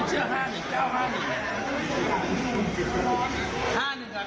ฮะ